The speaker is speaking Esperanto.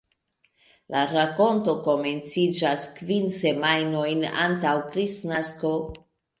La rakonto komenciĝas kvin semajnojn antaŭ Kristnasko.